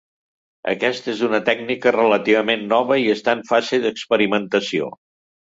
Aquesta és una tècnica relativament nova i està en fase d'experimentació.